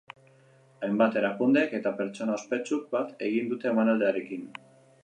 Hainbat erakundek eta pertsona ospetsuk bat egin dute omenaldiarekin.